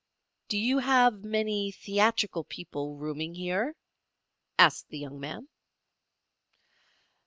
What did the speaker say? "Do you have many theatrical people rooming here?" asked the young man.